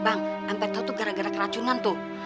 bang ampun itu tuh gara gara keracunan tuh